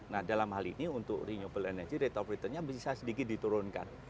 nah dalam hal ini untuk renewable energy rate of return nya bisa sedikit diturunkan